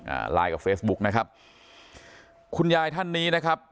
อ่าไลน์กับเฟซบุ๊กนะครับคุณยายท่านนี้นะครับ